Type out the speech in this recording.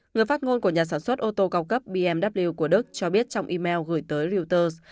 người phát ngôn của nhà sản xuất ô tô cao cấp bmw của đức cho biết trong email gửi tới reuters